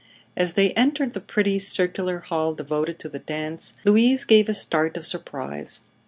As they entered the pretty, circular hall devoted to the dance Louise gave a start of surprise.